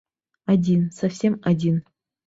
Один, совсем один!